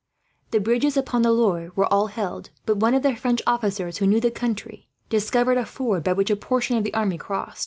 The bridges upon the Loire were all held; but one of the French officers, who knew the country, discovered a ford by which a portion of the army crossed.